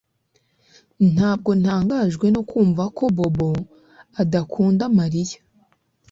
Ntabwo ntangajwe no kumva ko Bobo adakunda Mariya